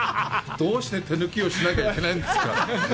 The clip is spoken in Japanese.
どうして手抜きをしなきゃいけないんですか！